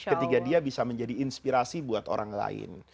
ketika dia bisa menjadi inspirasi buat orang lain